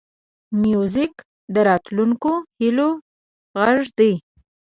موزیک د راتلونکو هیلو غږ دی.